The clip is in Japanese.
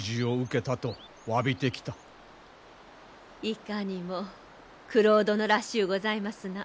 いかにも九郎殿らしゅうございますな。